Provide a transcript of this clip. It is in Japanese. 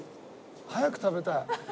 早く食べたい。